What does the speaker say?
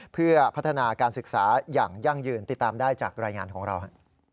เพื่อพัฒนาการศึกษาอย่างยั่งยืนติดตามได้จากรายงานของเรา